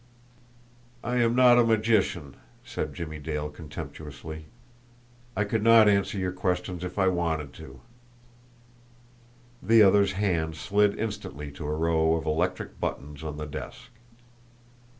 "I am not a magician," said Jimmie Dale contemptuously. "I could not answer your questions if I wanted to." The other's hand slid instantly to a row of electric buttons on the desk.